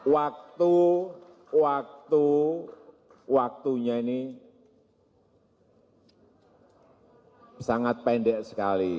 waktu waktunya ini sangat pendek sekali